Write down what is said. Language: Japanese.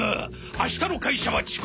明日の会社は遅刻。